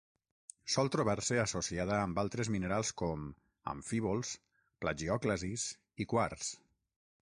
Sol trobar-se associada amb altres minerals com: amfíbols, plagiòclasis i quars.